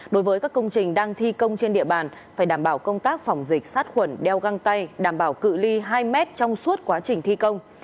đối với các công trình đang thi công trên địa bàn phải đảm bảo công tác phòng dịch sát khuẩn đeo găng tay đảm bảo cự ly hai mét trong suốt quá trình thi công